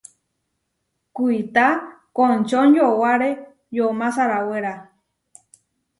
Kuitá končonyowáre yomá sarawéra.